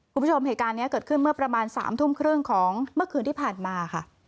คุณผู้ชมเหตุการณ์นี้เกิดขึ้นเมื่อประมาณ๓ทุ่มครึ่งของเมื่อคืนที่ผ่านมาค่ะ